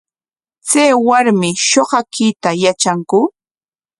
¿Chay warmi shuqakuyta yatranku?